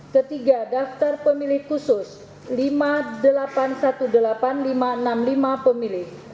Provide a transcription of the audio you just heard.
ketiga daftar pemilih khusus lima delapan satu delapan lima enam lima pemilih